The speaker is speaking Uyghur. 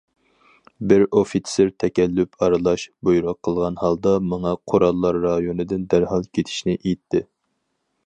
بىر ئوفىتسېر تەكەللۇپ ئارىلاش بۇيرۇق قىلغان ھالدا ماڭا قۇللار رايونىدىن دەرھال كېتىشنى ئېيتتى.